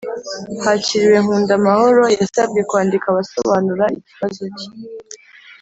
Hakiriwe Nkundamahoro yasabwe kwandika asobanura ikibazo cye